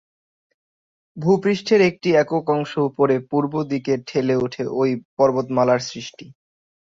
ভূ-পৃষ্ঠের একটি একক অংশ উপরে পূর্ব দিকে ঠেলে উঠে এই পর্বতমালার সৃষ্টি।